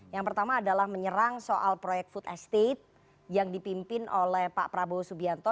yang pertama adalah menyerang soal proyek food estate yang dipimpin oleh pak prabowo subianto